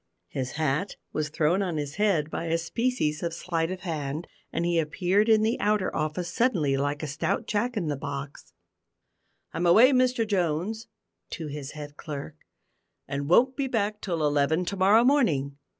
His hat was thrown on his head by a species of sleight of hand, and he appeared in the outer office suddenly, like a stout Jack in the box. "I'm away, Mr Jones," (to his head clerk), "and won't be back till eleven to morrow morning.